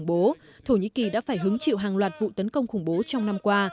trong năm qua thổ nhĩ kỳ đã phải hứng chịu hàng loạt vụ tấn công khủng bố trong năm qua